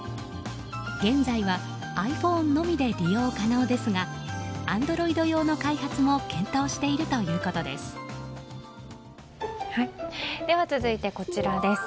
現在はｉＰｈｏｎｅのみで利用可能ですがアンドロイド用の開発も検討しているということです。